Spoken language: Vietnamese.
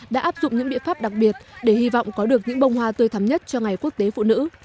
đã áp dụng những biện pháp đặc biệt để hy vọng có được những bông hoa tươi thắm nhất cho ngày quốc tế phụ nữ